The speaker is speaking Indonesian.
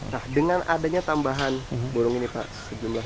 nah dengan adanya tambahan burung ini pak sejumlah sembilan puluh lima